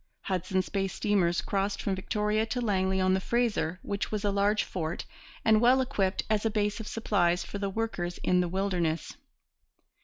Hudson's Bay steamers crossed from Victoria to Langley on the Fraser, which was a large fort and well equipped as a base of supplies for the workers in the wilderness.